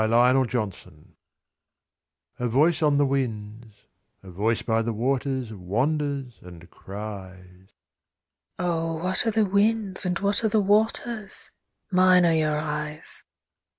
To Morfydd A voice on the winds, A voice by the waters, Wanders and cries : Oh ! what are the winds ? And what are the waters ? Mine are your eyes